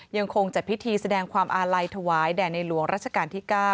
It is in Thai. ยังคงจัดพิธีแสดงความอาลัยถวายแด่ในหลวงรัชกาลที่๙